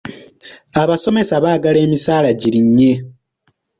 Abasomesa baagala emisaala girinnye.